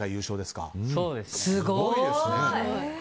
すごいですね！